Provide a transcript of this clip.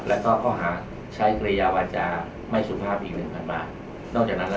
แล้วก็ข้อหาใช้กริยาวาจาไม่สุภาพอีกหนึ่งพันบาทนอกจากนั้นแล้ว